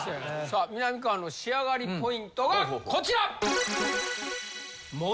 さあみなみかわの仕上がりポイントはこちら！